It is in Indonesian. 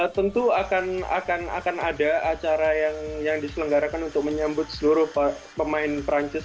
tentu akan ada acara yang diselenggarakan untuk menyambut seluruh pemain perancis